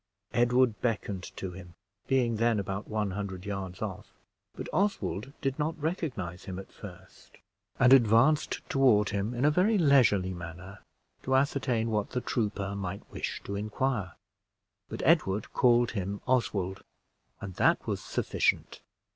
Edward beckoned to him, being then about one hundred yards off; but Oswald did not recognize him at first, and advanced toward him in a very leisurely manner, to ascertain what the trooper might wish to inquire. But Edward called him Oswald, and that was sufficient.